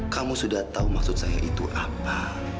kamu sudah tahu maksud saya itu apa